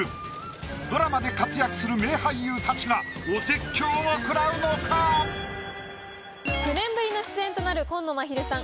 ドラマで活躍する名俳優たちがお説教をくらうのか⁉９年ぶりの出演となる紺野まひるさん